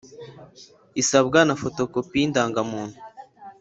isabwa na fotokopi y’indangamuntu